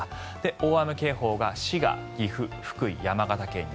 大雨警報が滋賀、岐阜福井、山形県に。